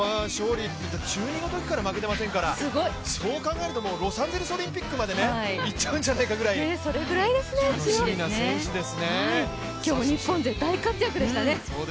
中２のときから負けていませんから、そう考えるとロサンゼルスオリンピックまでいっちゃうんじゃないかというくらい今日、日本勢大活躍でしたね